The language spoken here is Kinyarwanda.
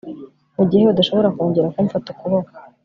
Mugihe udashobora kongera kumfata ukuboko